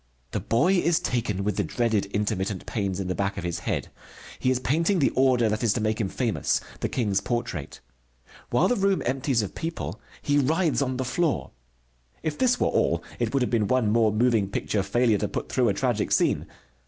The boy is taken with the dreaded intermittent pains in the back of his head. He is painting the order that is to make him famous: the King's portrait. While the room empties of people he writhes on the floor. If this were all, it would have been one more moving picture failure to put through a tragic scene.